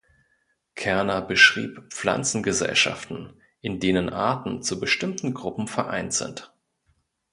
Kerner beschrieb Pflanzengesellschaften, in denen Arten „zu bestimmten Gruppen vereint“ sind.